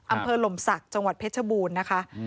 หล่มศักดิ์จังหวัดเพชรบูรณ์นะคะ